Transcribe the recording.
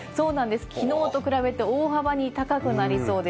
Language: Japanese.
昨日と比べて大幅に高くなりそうです。